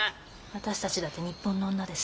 私たちだって日本の女です。